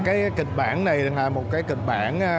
cái kịch bản này là một cái kịch bản